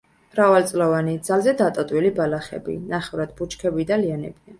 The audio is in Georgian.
მრავალწლოვანი, ძალზე დატოტვილი ბალახები, ნახევრად ბუჩქები და ლიანებია.